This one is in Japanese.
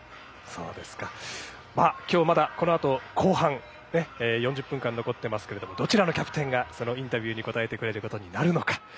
きょう、まだこのあと後半４０分間残ってますけどもどちらのキャプテンがそのインタビューに答えてくれることになるのか